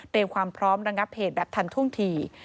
เตรียมความพร้อมรังรับเหตุแบบทันทุ่งที